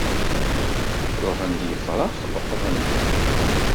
Ṛuḥen-d yefṛax leqḍen-ten.